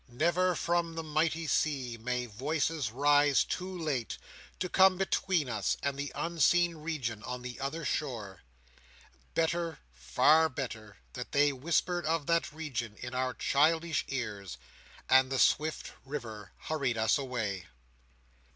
Never from the mighty sea may voices rise too late, to come between us and the unseen region on the other shore! Better, far better, that they whispered of that region in our childish ears, and the swift river hurried us away!